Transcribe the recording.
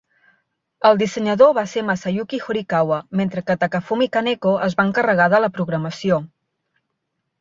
El dissenyador va ser Masayuki Horikawa, mentre que Takafumi Kaneko es va encarregar de la programació.